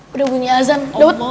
udah bunyi azan daud